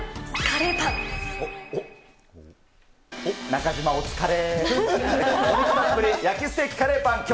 中島、お疲れ。